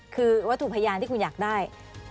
คือวัตถุพยานที่คุณอยากได้